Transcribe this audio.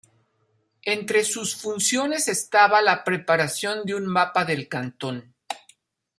Entre sus funciones estaba la preparación de un mapa del cantón.